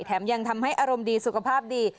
แถมยังทำให้อารมณ์ดีสุขภาพดี